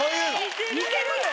似てるよ。